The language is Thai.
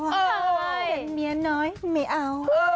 เห็นเมียน้อยไม่เอา